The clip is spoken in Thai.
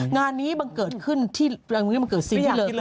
งานนี้บังเกิดคืนที่เหลือค่ะ